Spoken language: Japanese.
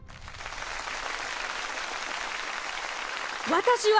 私は。